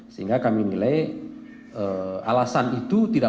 sehingga kami nilai alasan itu tidak